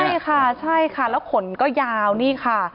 ใช่ค่ะใช่ค่ะแล้วขนก็ยาวนี่ค่ะ